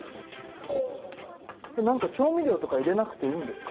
これなんか調味料とか入れなくていいんですか？